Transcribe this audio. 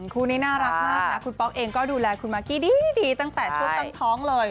คู่นี้น่ารักมากนะคุณป๊อกเองก็ดูแลคุณมากกี้ดีตั้งแต่ช่วงตั้งท้องเลย